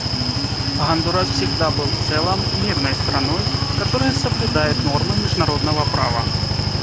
Гондурас всегда был в целом мирной страной, которая соблюдает нормы международного права.